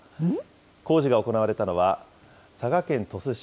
工事が行われたのは、佐賀県鳥栖市。